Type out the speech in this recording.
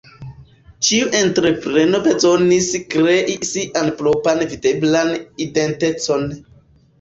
Ĉiu entrepreno bezonis krei sian propran videblan identecon.